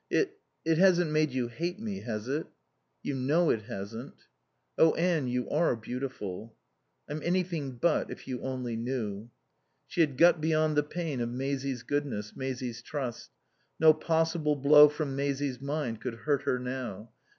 It it hasn't made you hate me, has it?" "You know it hasn't." "Oh, Anne, you are beautiful." "I'm anything but, if you only knew." She had got beyond the pain of Maisie's goodness, Maisie's trust. No possible blow from Maisie's mind could hurt her now.